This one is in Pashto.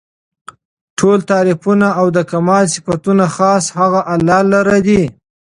ټول تعريفونه او د کمال صفتونه خاص هغه الله لره دي